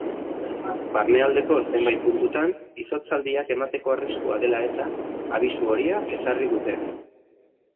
Barnealdeko zenbait puntutan izotzaldiak emateko arriskua dela eta, abisu horia ezarri dute.